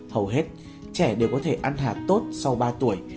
hầu hết trẻ đều có thể ăn hạ tốt sau ba tuổi